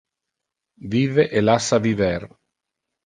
Vive e lassa viver.